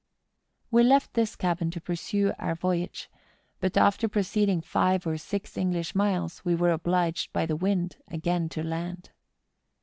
... We left this cabin to pursue our voyage, but after proceeding five or six English miles, we were obliged by the wind again to land.